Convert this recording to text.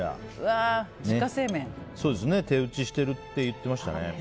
手打ちしてるって言ってましたね。